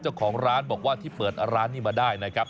เจ้าของร้านบอกว่าที่เปิดร้านนี้มาได้นะครับ